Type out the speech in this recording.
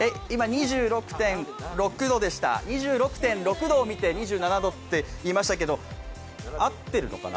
今、２６．６度を見て、２７度っていいましたけど合ってるのかな？